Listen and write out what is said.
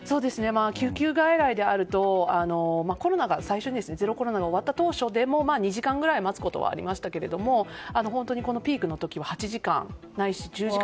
救急外来であると最初にゼロコロナが終わった当初でも２時間ぐらい待つことはありましたけどピークの時は８時間ないし１０時間。